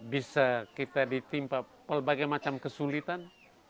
bisa kita ditimpa berbagai macam kesulitan